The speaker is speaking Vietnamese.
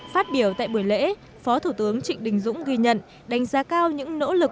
phát biểu tại buổi lễ phó thủ tướng trịnh đình dũng ghi nhận đánh giá cao những nỗ lực